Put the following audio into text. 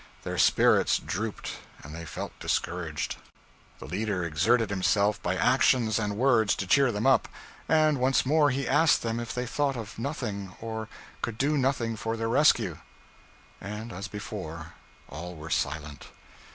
Their spirits drooped, and they felt discouraged. The leader exerted himself, by actions and words, to cheer them up; and once more he asked them if they thought of nothing, or could do nothing for their rescue; and, as before, all were silent.